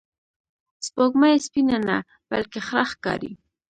سپوږمۍ سپینه نه، بلکې خړه ښکاري